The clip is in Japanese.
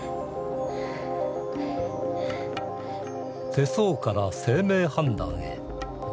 手相から姓名判断へ。